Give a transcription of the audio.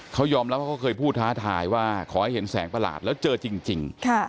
เขายอมรับว่าเขาเคยพูดท้าทายว่าขอให้เห็นแสงประหลาดแล้วเจอจริง